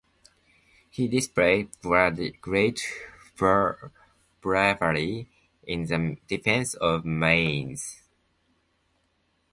He displayed great bravery in the defence of Mainz.